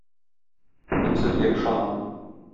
Мин сезгә ышанам.